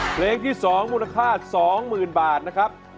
เพลงที่สองมูลค่าสองหมื่นบาทนะครับ